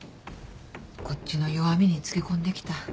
こっちの弱みに付け込んできた。